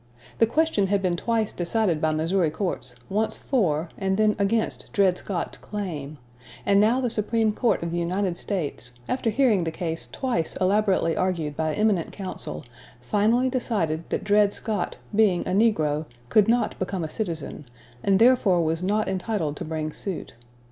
The question had been twice decided by Missouri courts, once for and then against Dred Scott's claim; and now the Supreme Court of the United States, after hearing the case twice elaborately argued by eminent counsel, finally decided that Dred Scott, being a negro, could not become a citizen, and therefore was not entitled to bring suit.